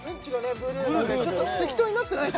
ブルーなんでちょっと適当になってない？